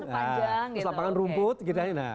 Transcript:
lepas itu lapangan rumput gitu